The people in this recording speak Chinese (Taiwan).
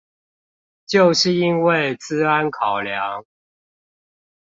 就是因為資安考量